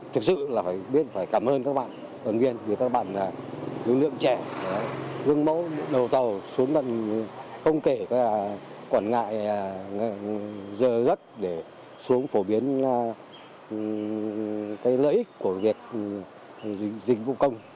thực sự là phải biết phải cảm ơn các bạn ứng viên vì các bạn là nguyên lượng trẻ hướng mẫu đầu tàu xuống bằng không kể quản ngại dơ dất để xuống phổ biến lợi ích của việc dịch vụ công